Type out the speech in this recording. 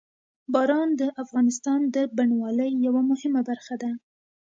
باران د افغانستان د بڼوالۍ یوه مهمه برخه ده.